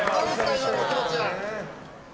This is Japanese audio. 今の気持ちは。